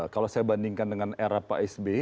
kalau saya bandingkan dengan era pak s b